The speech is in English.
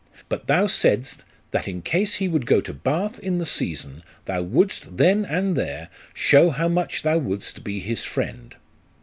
But thou saidst, that in case he would go to Bath in the season, thou wouldst then and there show how much thou wouldst be his friend.